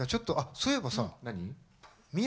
そういえばさ雅